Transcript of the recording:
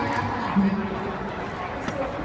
บางคนต้องรับ